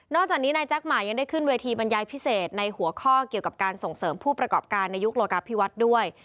จากนี้นายแจ๊คหมายยังได้ขึ้นเวทีบรรยายพิเศษในหัวข้อเกี่ยวกับการส่งเสริมผู้ประกอบการในยุคโลกาพิวัฒน์ด้วย